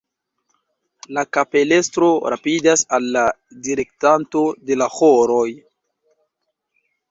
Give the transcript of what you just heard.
La kapelestro rapidas al la direktanto de la ĥoroj.